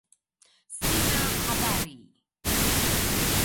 Sina habari